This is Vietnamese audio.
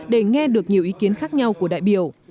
để nghe được nhiều ý kiến khác nhau của đại biểu